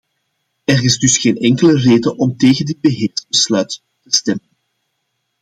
Er is dus geen enkele reden om tegen dit beheersbesluit te stemmen.